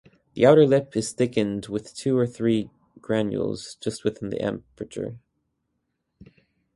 The outer lip is thickened with two or three granules just within the aperture.